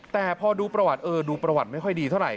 แต่พอดูประวัติเออดูประวัติไม่ค่อยดีเท่าไห